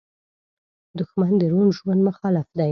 دښمن د روڼ ژوند مخالف دی